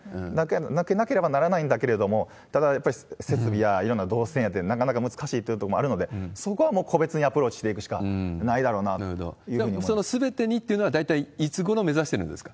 受けなければならないんだけれども、ただ、やっぱり設備や、いろいろな動線や、なかなか難しいというところもあるので、そこはもう個別にアプローチしていくしかないだろうなというふうそのすべてにっていうのは、大体いつごろ目指してるんですか？